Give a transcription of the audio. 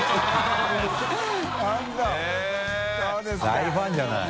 大ファンじゃない。